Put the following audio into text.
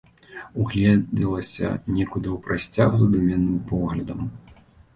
Угледзелася некуды ў прасцяг задуменным поглядам.